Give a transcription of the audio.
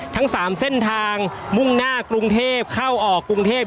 ทั้ง๓เส้นทางมุ่งหน้ากรุงเทพเข้าออกกรุงเทพ